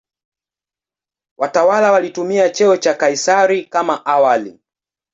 Watawala walitumia cheo cha "Kaisari" kama awali.